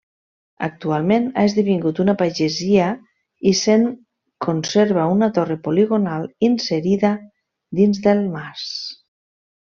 Actualment ha esdevingut una pagesia i se'n conserva una torre poligonal inserida dins del mas.